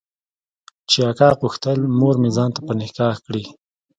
چې اکا غوښتل مورمې ځان ته په نکاح کړي.